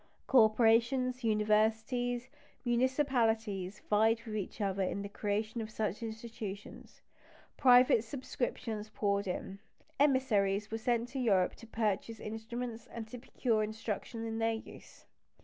Corporations, universities, municipalities, vied with each other in the creation of such institutions; private subscriptions poured in; emissaries were sent to Europe to purchase instruments and to procure instruction in their use.